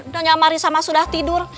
nanya sama marissa mas sudah tidur